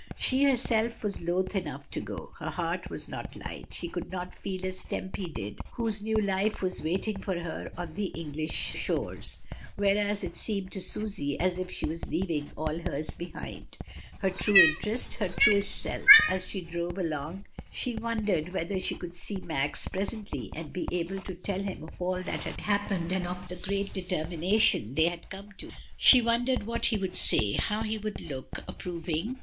She herself was loth enough to go. Her heart was not light, she could not feel as Tempy did, whose new life was waiting for her on the English shores. Whereas it seemed to Susy as if she was leaving all hers behind — her true interest, her truest self; as she drove along she wondered whether she should see Max presently, and be able SUSANNA AND HER MOTHER. I I Q to tell him of all that had happened, and of the great determination they had come to. She won dered what he would say^ how he would look — ap proving?